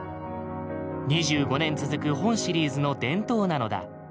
２５年続く本シリーズの伝統なのだ。